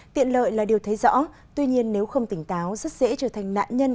tiện lợi là điều thấy rõ tuy nhiên nếu không tỉnh táo rất dễ trở thành nạn nhân